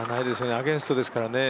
アゲンストですからね。